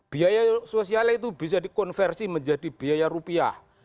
biaya sosial itu bisa dikonversi menjadi biaya rupiah